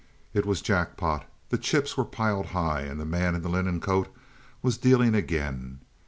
It was jackpot; the chips were piled high; and the man in the linen coat was dealing again.